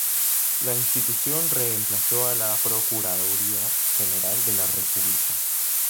La institución reemplazó a la Procuraduría General de la República.